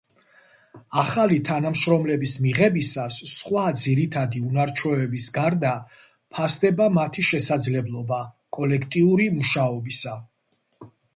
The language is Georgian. ახალი თანამშრომლების მიღებისას, სხვა ძირითადი უნარჩვევების გარდა ფასდება მათი შესაძლებლობა კოლექტიური მუშაობისა.